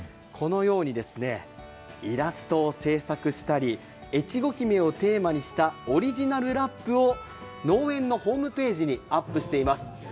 このようにイラストを制作したり、越後姫をテーマにしたオリジナルラップを農園のホームページにアップしています。